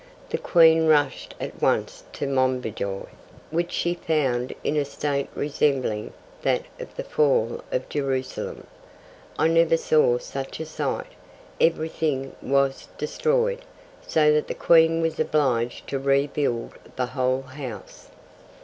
The Queen rushed at once to Monbijou, which she found in a state resembling that of the fall of Jerusalem. I never saw such a sight. Everything was destroyed, so that the Queen was obliged to rebuild the whole house.